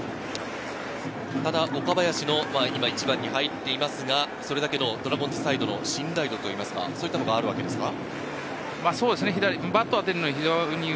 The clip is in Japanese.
岡林のそれだけのドラゴンズサイドの信頼度といいますか、そういったものがあるわけですか？